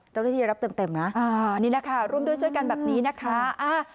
เจ้าหน้าที่รับเต็มนะอ่านี่แหละค่ะร่วมด้วยช่วยกันแบบนี้นะคะ